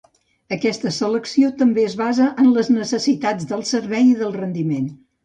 Aquesta selecció també es basa en les necessitats del servei i del rendiment.